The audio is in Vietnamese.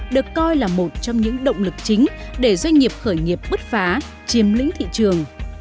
được coi là một trong những động lực chính để doanh nghiệp khởi nghiệp bứt phá chiếm lĩnh thị trường